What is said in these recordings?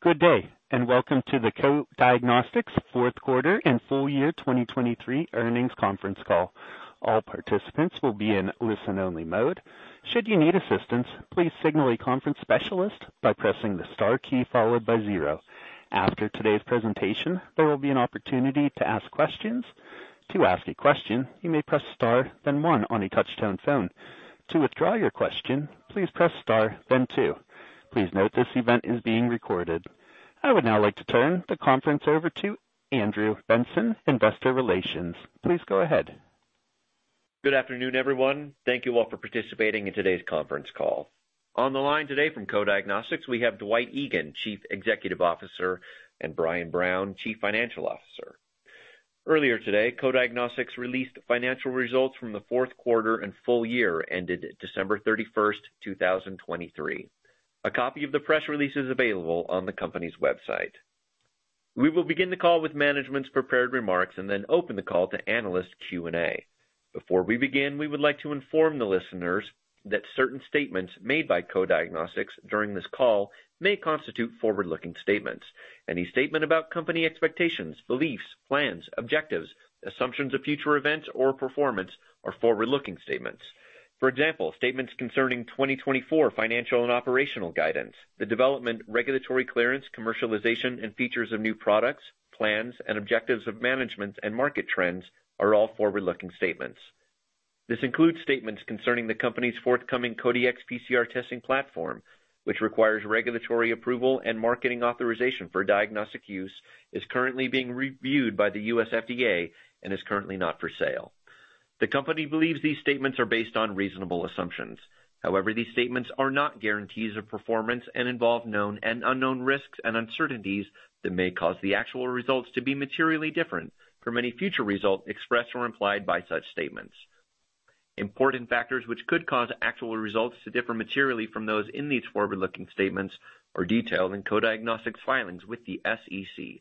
Good day, and welcome to the Co-Diagnostics fourth quarter and full year 2023 earnings conference call. All participants will be in listen-only mode. Should you need assistance, please signal a conference specialist by pressing the star key followed by zero. After today's presentation, there will be an opportunity to ask questions. To ask a question, you may press star, then one on a touchtone phone. To withdraw your question, please press star, then two. Please note this event is being recorded. I would now like to turn the conference over to Andrew Benson, Investor Relations. Please go ahead. Good afternoon, everyone. Thank you all for participating in today's conference call. On the line today from Co-Diagnostics, we have Dwight Egan, Chief Executive Officer, and Brian Brown, Chief Financial Officer. Earlier today, Co-Diagnostics released financial results from the fourth quarter and full year ended December 31, 2023. A copy of the press release is available on the company's website. We will begin the call with management's prepared remarks and then open the call to analyst Q&A. Before we begin, we would like to inform the listeners that certain statements made by Co-Diagnostics during this call may constitute forward-looking statements. Any statement about company expectations, beliefs, plans, objectives, assumptions of future events or performance are forward-looking statements. For example, statements concerning 2024 financial and operational guidance, the development, regulatory clearance, commercialization, and features of new products, plans and objectives of management and market trends are all forward-looking statements. This includes statements concerning the company's forthcoming Co-Dx PCR testing platform, which requires regulatory approval and marketing authorization for diagnostic use, is currently being reviewed by the U.S. FDA and is currently not for sale. The company believes these statements are based on reasonable assumptions. However, these statements are not guarantees of performance and involve known and unknown risks and uncertainties that may cause the actual results to be materially different from any future results expressed or implied by such statements. Important factors which could cause actual results to differ materially from those in these forward-looking statements are detailed in Co-Diagnostics' filings with the SEC.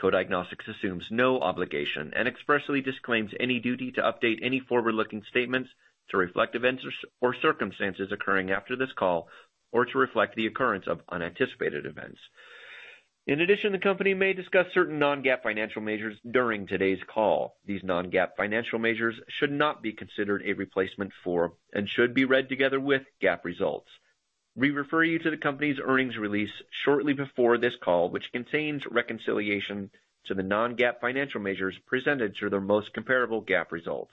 Co-Diagnostics assumes no obligation and expressly disclaims any duty to update any forward-looking statements to reflect events or circumstances occurring after this call or to reflect the occurrence of unanticipated events. In addition, the company may discuss certain non-GAAP financial measures during today's call. These non-GAAP financial measures should not be considered a replacement for and should be read together with GAAP results. We refer you to the company's earnings release shortly before this call, which contains reconciliation to the non-GAAP financial measures presented to their most comparable GAAP results.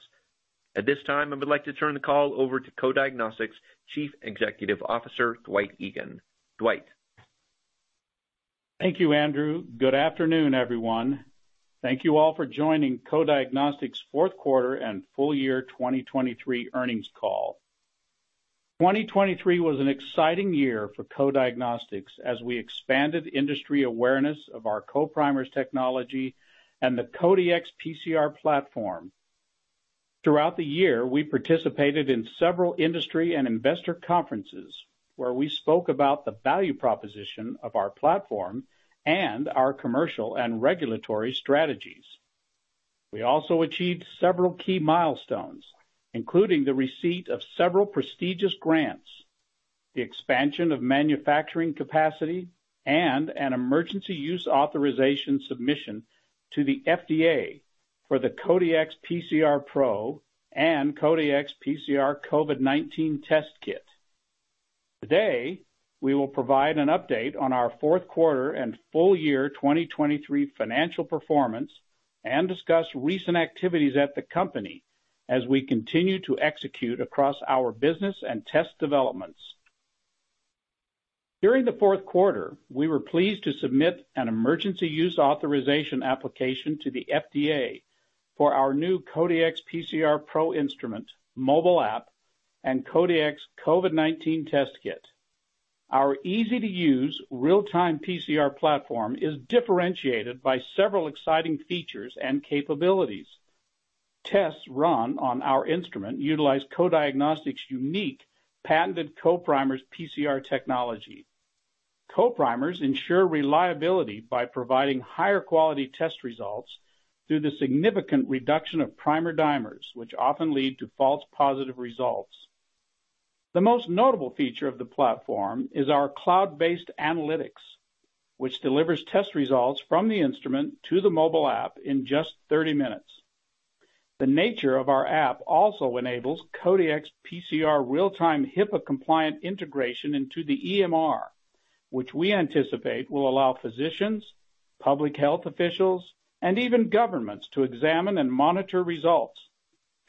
At this time, I would like to turn the call over to Co-Diagnostics' Chief Executive Officer, Dwight Egan. Dwight? Thank you, Andrew. Good afternoon, everyone. Thank you all for joining Co-Diagnostics' fourth quarter and full year 2023 earnings call. 2023 was an exciting year for Co-Diagnostics as we expanded industry awareness of our CoPrimers technology and the Co-Dx PCR platform. Throughout the year, we participated in several industry and investor conferences, where we spoke about the value proposition of our platform and our commercial and regulatory strategies. We also achieved several key milestones, including the receipt of several prestigious grants, the expansion of manufacturing capacity, and an Emergency Use Authorization submission to the FDA for the Co-Dx PCR Pro and Co-Dx COVID-19 test kit. Today, we will provide an update on our fourth quarter and full year 2023 financial performance and discuss recent activities at the company as we continue to execute across our business and test developments. During the fourth quarter, we were pleased to submit an emergency use authorization application to the FDA for our new Co-Dx PCR Pro instrument, mobile app, and Co-Dx COVID-19 test kit. Our easy-to-use, real-time PCR platform is differentiated by several exciting features and capabilities. Tests run on our instrument utilize Co-Diagnostics' unique patented CoPrimers PCR technology. CoPrimers ensure reliability by providing higher quality test results through the significant reduction of primer dimers, which often lead to false positive results. The most notable feature of the platform is our cloud-based analytics, which delivers test results from the instrument to the mobile app in just 30 minutes. The nature of our app also enables Co-Dx PCR real-time HIPAA-compliant integration into the EMR, which we anticipate will allow physicians, public health officials, and even governments to examine and monitor results,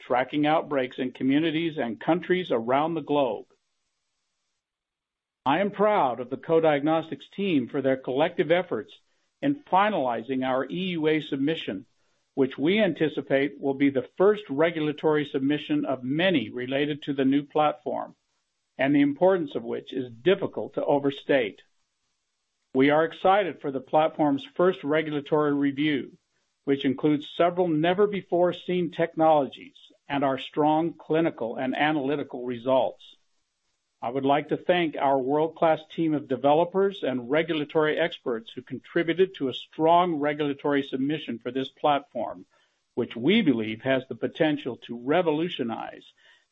tracking outbreaks in communities and countries around the globe. I am proud of the Co-Diagnostics team for their collective efforts in finalizing our EUA submission, which we anticipate will be the first regulatory submission of many related to the new platform, and the importance of which is difficult to overstate. We are excited for the platform's first regulatory review, which includes several never-before-seen technologies and our strong clinical and analytical results. I would like to thank our world-class team of developers and regulatory experts who contributed to a strong regulatory submission for this platform, which we believe has the potential to revolutionize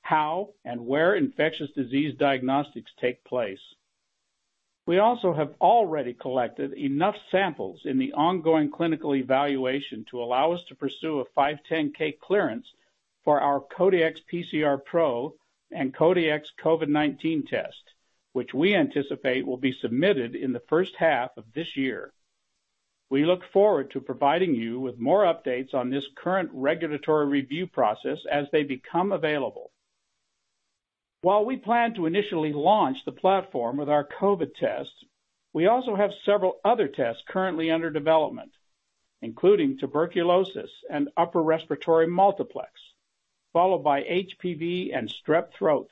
how and where infectious disease diagnostics take place.... We also have already collected enough samples in the ongoing clinical evaluation to allow us to pursue a 510(k) clearance for our Co-Dx PCR Pro and Co-Dx COVID-19 Test, which we anticipate will be submitted in the first half of this year. We look forward to providing you with more updates on this current regulatory review process as they become available. While we plan to initially launch the platform with our COVID test, we also have several other tests currently under development, including tuberculosis and upper respiratory multiplex, followed by HPV and strep throat.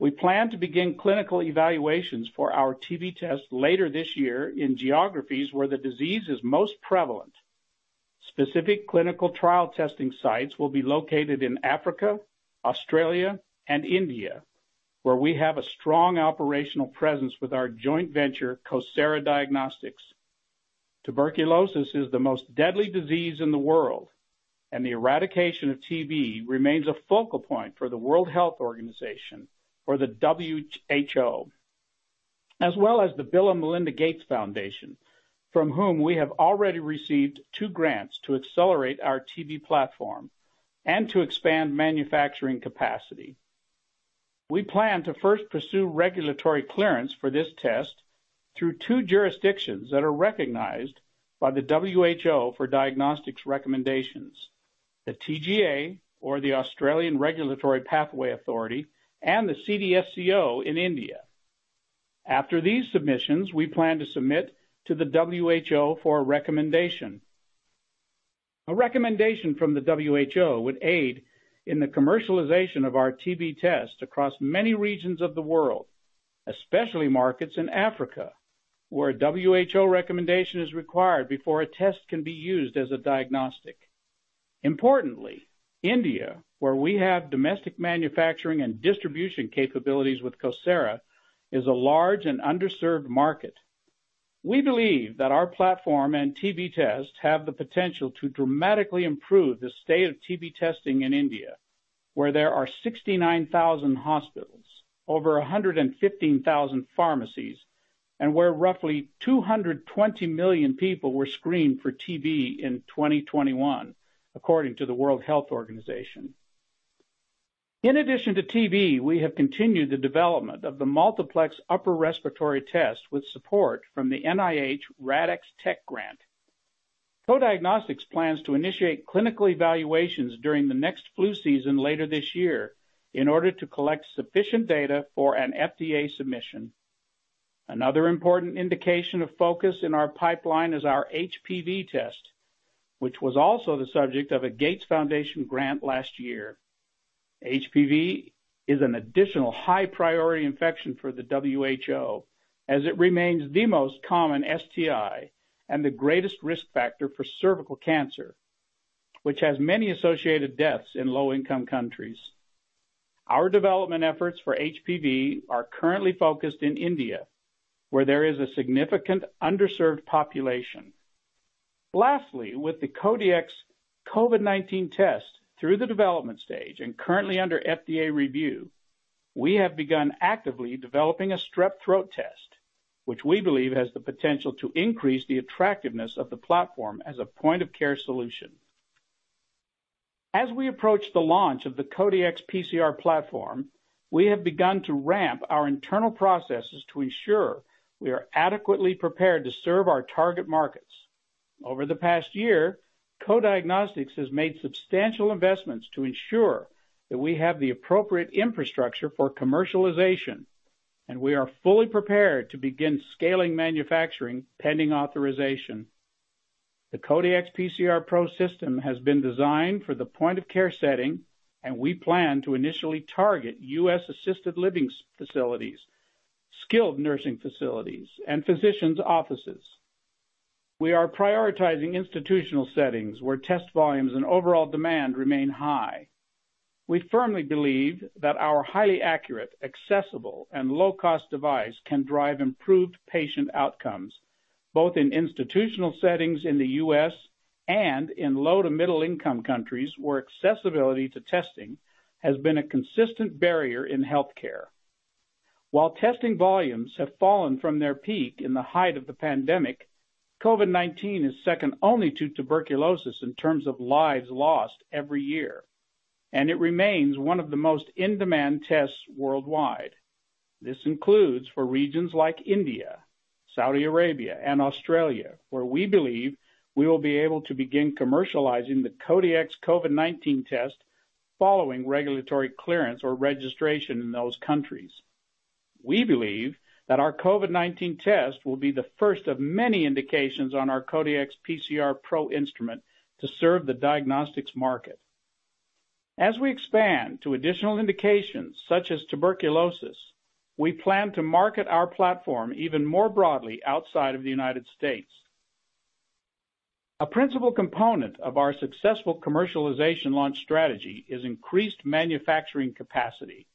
We plan to begin clinical evaluations for our TB test later this year in geographies where the disease is most prevalent. Specific clinical trial testing sites will be located in Africa, Australia, and India, where we have a strong operational presence with our joint venture, CoSara Diagnostics. Tuberculosis is the most deadly disease in the world, and the eradication of TB remains a focal point for the World Health Organization or the WHO, as well as the Bill & Melinda Gates Foundation, from whom we have already received two grants to accelerate our TB platform and to expand manufacturing capacity. We plan to first pursue regulatory clearance for this test through two jurisdictions that are recognized by the WHO for diagnostics recommendations, the TGA or the Therapeutic Goods Administration, and the CDSCO in India. After these submissions, we plan to submit to the WHO for a recommendation. A recommendation from the WHO would aid in the commercialization of our TB test across many regions of the world, especially markets in Africa, where WHO recommendation is required before a test can be used as a diagnostic. Importantly, India, where we have domestic manufacturing and distribution capabilities with CoSara, is a large and underserved market. We believe that our platform and TB tests have the potential to dramatically improve the state of TB testing in India, where there are 69,000 hospitals, over 115,000 pharmacies, and where roughly 220 million people were screened for TB in 2021, according to the World Health Organization. In addition to TB, we have continued the development of the multiplex upper respiratory test with support from the NIH RADx Tech grant. Co-Diagnostics plans to initiate clinical evaluations during the next flu season, later this year, in order to collect sufficient data for an FDA submission. Another important indication of focus in our pipeline is our HPV test, which was also the subject of a Gates Foundation grant last year. HPV is an additional high-priority infection for the WHO, as it remains the most common STI and the greatest risk factor for cervical cancer, which has many associated deaths in low-income countries. Our development efforts for HPV are currently focused in India, where there is a significant underserved population. Lastly, with the Co-Dx COVID-19 Test through the development stage and currently under FDA review, we have begun actively developing a strep throat test, which we believe has the potential to increase the attractiveness of the platform as a point-of-care solution. As we approach the launch of the Co-Dx PCR platform, we have begun to ramp our internal processes to ensure we are adequately prepared to serve our target markets. Over the past year, Co-Diagnostics has made substantial investments to ensure that we have the appropriate infrastructure for commercialization, and we are fully prepared to begin scaling manufacturing, pending authorization. The Co-Dx PCR Pro system has been designed for the point-of-care setting, and we plan to initially target U.S. assisted living facilities, skilled nursing facilities, and physicians' offices. We are prioritizing institutional settings where test volumes and overall demand remain high. We firmly believe that our highly accurate, accessible, and low-cost device can drive improved patient outcomes, both in institutional settings in the U.S. and in low to middle-income countries, where accessibility to testing has been a consistent barrier in healthcare. While testing volumes have fallen from their peak in the height of the pandemic, COVID-19 is second only to tuberculosis in terms of lives lost every year, and it remains one of the most in-demand tests worldwide. This includes for regions like India, Saudi Arabia, and Australia, where we believe we will be able to begin commercializing the Co-Dx COVID-19 Test following regulatory clearance or registration in those countries. We believe that our COVID-19 test will be the first of many indications on our Co-Dx PCR Pro instrument to serve the diagnostics market. As we expand to additional indications such as tuberculosis, we plan to market our platform even more broadly outside of the United States. A principal component of our successful commercialization launch strategy is increased manufacturing capacity.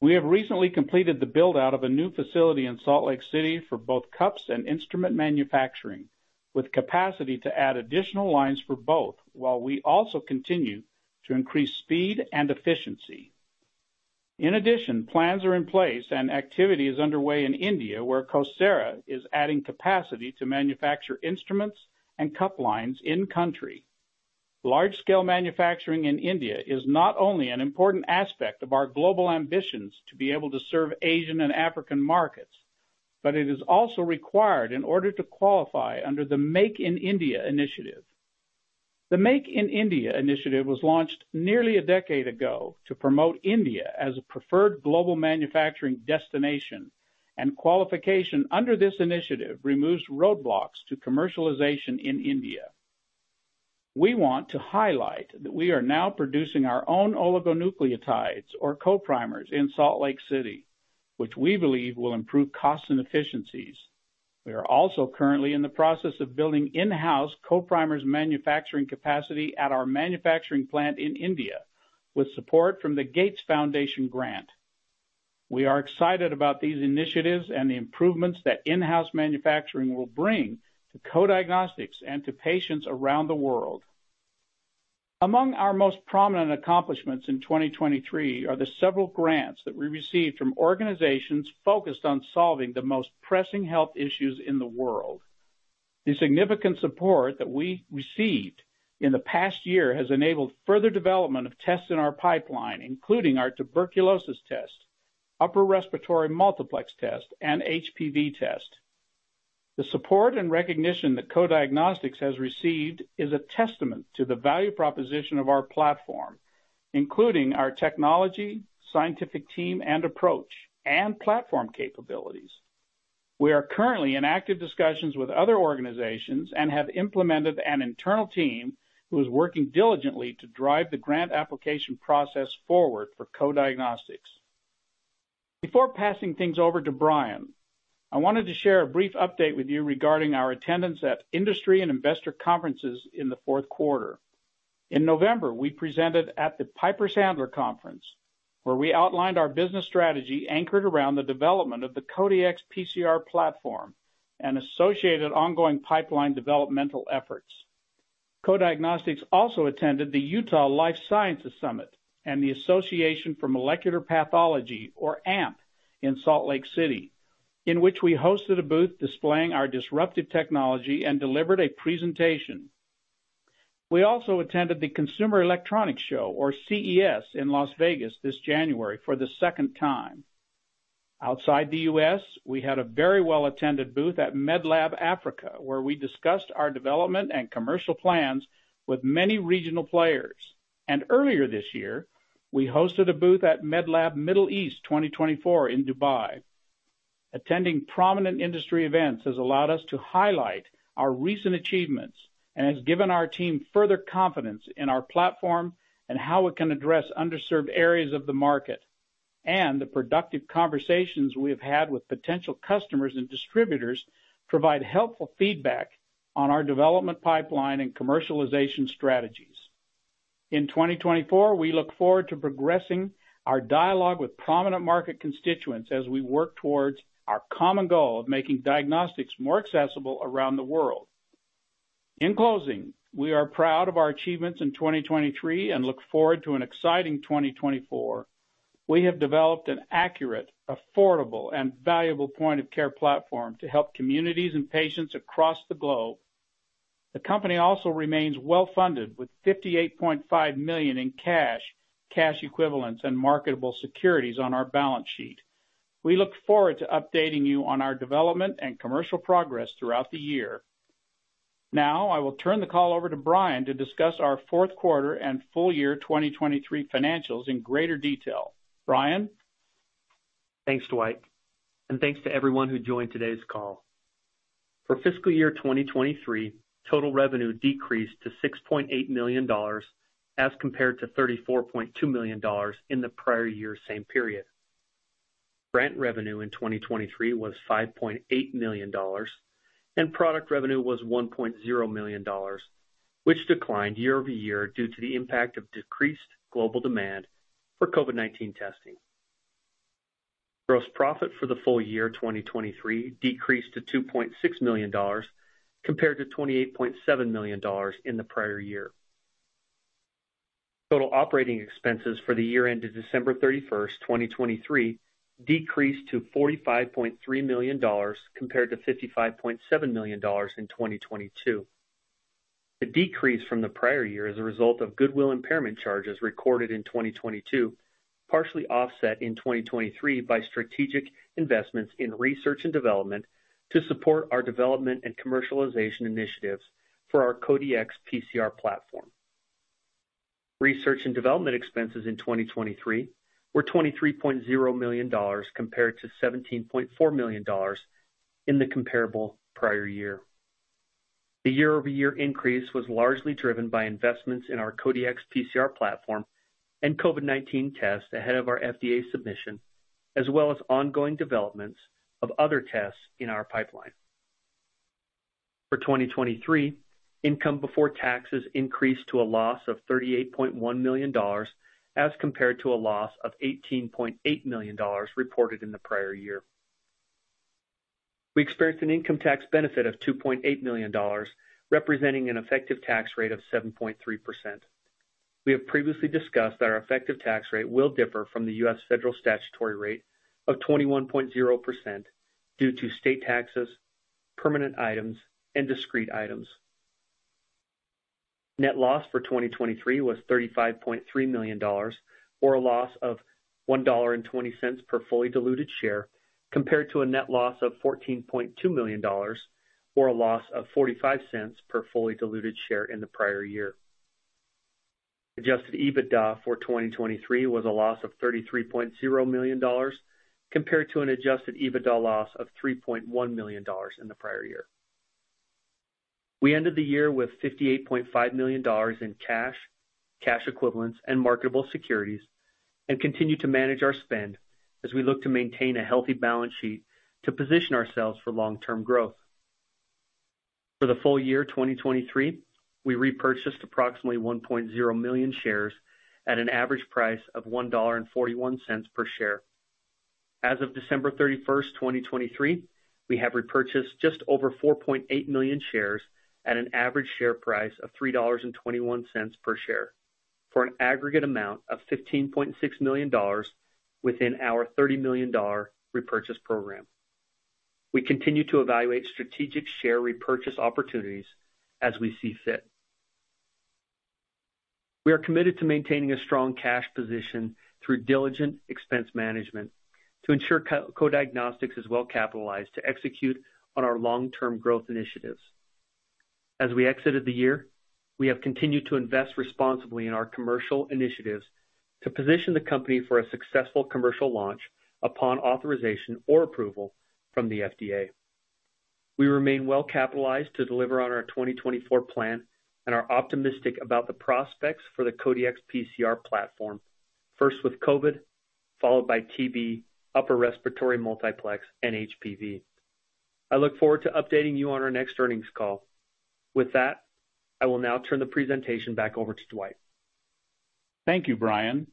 We have recently completed the build-out of a new facility in Salt Lake City for both cups and instrument manufacturing, with capacity to add additional lines for both, while we also continue to increase speed and efficiency. In addition, plans are in place and activity is underway in India, where CoSara is adding capacity to manufacture instruments and cup lines in-country. Large-scale manufacturing in India is not only an important aspect of our global ambitions to be able to serve Asian and African markets, but it is also required in order to qualify under the Make in India initiative. The Make in India initiative was launched nearly a decade ago to promote India as a preferred global manufacturing destination, and qualification under this initiative removes roadblocks to commercialization in India. We want to highlight that we are now producing our own oligonucleotides or CoPrimers in Salt Lake City, which we believe will improve cost and efficiencies. We are also currently in the process of building in-house CoPrimers manufacturing capacity at our manufacturing plant in India, with support from the Gates Foundation grant. We are excited about these initiatives and the improvements that in-house manufacturing will bring to Co-Diagnostics and to patients around the world. Among our most prominent accomplishments in 2023 are the several grants that we received from organizations focused on solving the most pressing health issues in the world. The significant support that we received in the past year has enabled further development of tests in our pipeline, including our tuberculosis test, upper respiratory multiplex test, and HPV test. The support and recognition that Co-Diagnostics has received is a testament to the value proposition of our platform, including our technology, scientific team and approach, and platform capabilities. We are currently in active discussions with other organizations and have implemented an internal team who is working diligently to drive the grant application process forward for Co-Diagnostics. Before passing things over to Brian, I wanted to share a brief update with you regarding our attendance at industry and investor conferences in the fourth quarter. In November, we presented at the Piper Sandler conference, where we outlined our business strategy anchored around the development of the Co-Dx PCR platform and associated ongoing pipeline developmental efforts. Co-Diagnostics also attended the Utah Life Sciences Summit and the Association for Molecular Pathology, or AMP, in Salt Lake City, in which we hosted a booth displaying our disruptive technology and delivered a presentation. We also attended the Consumer Electronics Show, or CES, in Las Vegas this January for the second time. Outside the US, we had a very well-attended booth at MedLab Africa, where we discussed our development and commercial plans with many regional players. Earlier this year, we hosted a booth at MedLab Middle East 2024 in Dubai. Attending prominent industry events has allowed us to highlight our recent achievements and has given our team further confidence in our platform and how it can address underserved areas of the market. The productive conversations we have had with potential customers and distributors provide helpful feedback on our development pipeline and commercialization strategies. In 2024, we look forward to progressing our dialogue with prominent market constituents as we work towards our common goal of making diagnostics more accessible around the world. In closing, we are proud of our achievements in 2023 and look forward to an exciting 2024. We have developed an accurate, affordable, and valuable point-of-care platform to help communities and patients across the globe. The company also remains well-funded, with $58.5 million in cash, cash equivalents, and marketable securities on our balance sheet. We look forward to updating you on our development and commercial progress throughout the year. Now, I will turn the call over to Brian to discuss our fourth quarter and full year 2023 financials in greater detail. Brian? Thanks, Dwight, and thanks to everyone who joined today's call. For fiscal year 2023, total revenue decreased to $6.8 million, as compared to $34.2 million in the prior year, same period. Grant revenue in 2023 was $5.8 million, and product revenue was $1.0 million, which declined year over year due to the impact of decreased global demand for COVID-19 testing. Gross profit for the full year 2023 decreased to $2.6 million, compared to $28.7 million in the prior year. Total operating expenses for the year ended December 31, 2023, decreased to $45.3 million, compared to $55.7 million in 2022. The decrease from the prior year is a result of goodwill impairment charges recorded in 2022, partially offset in 2023 by strategic investments in research and development to support our development and commercialization initiatives for our Co-Dx PCR platform. Research and development expenses in 2023 were $23.0 million, compared to $17.4 million in the comparable prior year. The year-over-year increase was largely driven by investments in our Co-Dx PCR platform and COVID-19 tests ahead of our FDA submission, as well as ongoing developments of other tests in our pipeline. For 2023, income before taxes increased to a loss of $38.1 million, as compared to a loss of $18.8 million reported in the prior year. We experienced an income tax benefit of $2.8 million, representing an effective tax rate of 7.3%. We have previously discussed that our effective tax rate will differ from the U.S. federal statutory rate of 21.0% due to state taxes, permanent items, and discrete items. Net loss for 2023 was $35.3 million, or a loss of $1.20 per fully diluted share, compared to a net loss of $14.2 million, or a loss of $0.45 per fully diluted share in the prior year. Adjusted EBITDA for 2023 was a loss of $33.0 million, compared to an adjusted EBITDA loss of $3.1 million in the prior year. We ended the year with $58.5 million in cash, cash equivalents, and marketable securities, and continue to manage our spend as we look to maintain a healthy balance sheet to position ourselves for long-term growth. For the full year 2023, we repurchased approximately 1.0 million shares at an average price of $1.41 per share. As of December 31, 2023, we have repurchased just over 4.8 million shares at an average share price of $3.21 per share, for an aggregate amount of $15.6 million within our $30 million repurchase program. We continue to evaluate strategic share repurchase opportunities as we see fit. We are committed to maintaining a strong cash position through diligent expense management to ensure Co-Diagnostics is well capitalized to execute on our long-term growth initiatives. As we exited the year, we have continued to invest responsibly in our commercial initiatives to position the company for a successful commercial launch upon authorization or approval from the FDA. We remain well-capitalized to deliver on our 2024 plan and are optimistic about the prospects for the Co-Dx's PCR platform, first with COVID, followed by TB, upper respiratory multiplex, and HPV. I look forward to updating you on our next earnings call. With that, I will now turn the presentation back over to Dwight. Thank you, Brian.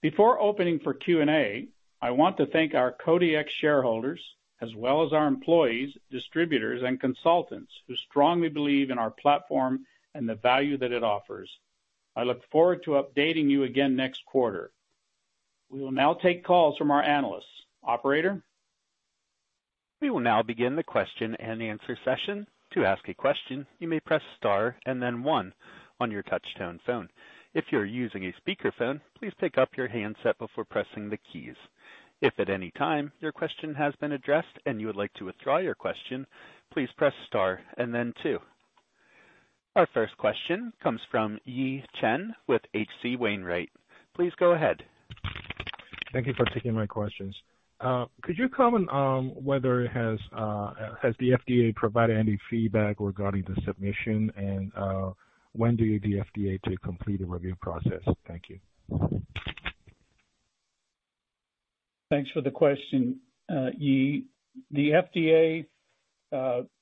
Before opening for Q&A, I want to thank our Co-Dx shareholders, as well as our employees, distributors, and consultants who strongly believe in our platform and the value that it offers. I look forward to updating you again next quarter. We will now take calls from our analysts. Operator? We will now begin the question-and-answer session. To ask a question, you may press Star and then one on your touchtone phone. If you're using a speakerphone, please pick up your handset before pressing the keys. If at any time your question has been addressed and you would like to withdraw your question, please press Star and then two. Our first question comes from Yi Chen with H.C. Wainwright. Please go ahead. Thank you for taking my questions. Could you comment on whether the FDA has provided any feedback regarding the submission and when do you expect the FDA to complete a review process? Thank you. Thanks for the question, Yi. The FDA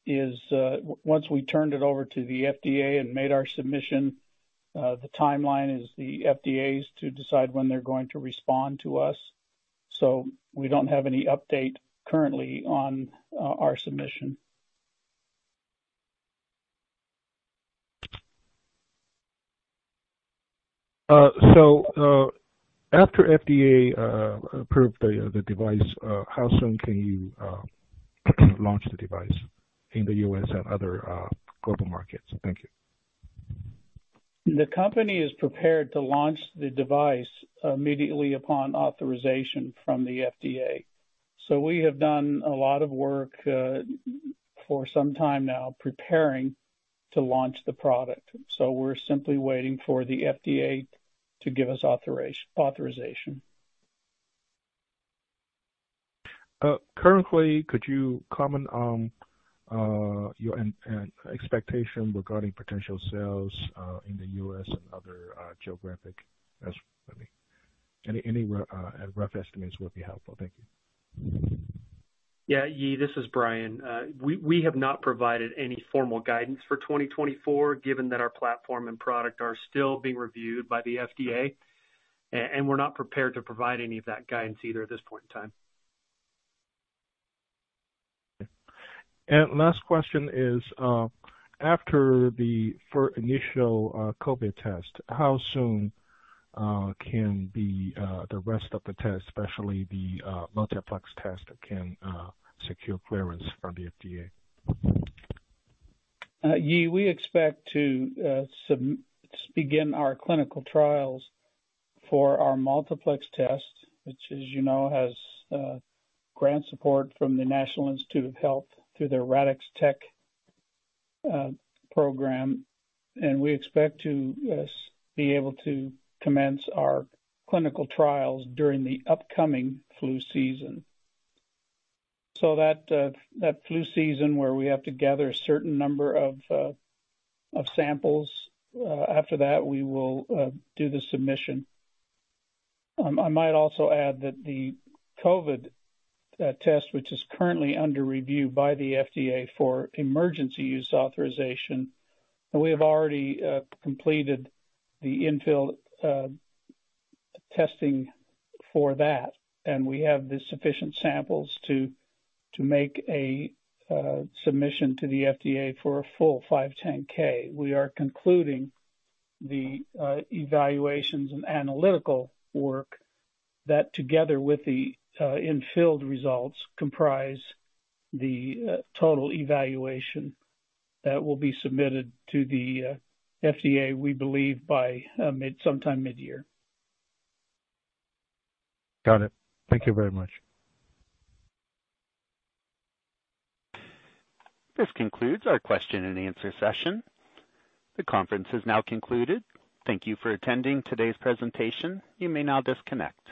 is... Once we turned it over to the FDA and made our submission, the timeline is the FDA's to decide when they're going to respond to us, so we don't have any update currently on our submission. After FDA approved the device, how soon can you launch the device in the U.S. and other global markets? Thank you. The company is prepared to launch the device immediately upon authorization from the FDA. So we have done a lot of work for some time now, preparing to launch the product. So we're simply waiting for the FDA to give us authorization. Currently, could you comment on your an expectation regarding potential sales in the U.S. and other geographic estimate? Any rough estimates will be helpful. Thank you. Yeah, Yi, this is Brian. We have not provided any formal guidance for 2024, given that our platform and product are still being reviewed by the FDA, and we're not prepared to provide any of that guidance either at this point in time. Last question is, after the initial COVID test, how soon can the rest of the test, especially the multiplex test, secure clearance from the FDA? Yi, we expect to begin our clinical trials for our multiplex test, which, as you know, has grant support from the National Institutes of Health through their RADx Tech program. We expect to be able to commence our clinical trials during the upcoming flu season. So that flu season, where we have to gather a certain number of samples, after that, we will do the submission. I might also add that the COVID test, which is currently under review by the FDA for emergency use authorization, and we have already completed the in-field testing for that, and we have the sufficient samples to make a submission to the FDA for a full 510(k). We are concluding the evaluations and analytical work that, together with the in-field results, comprise the total evaluation that will be submitted to the FDA. We believe by sometime mid-year. Got it. Thank you very much. This concludes our question and answer session. The conference is now concluded. Thank you for attending today's presentation. You may now disconnect.